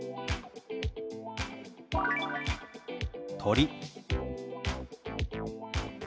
「鳥」。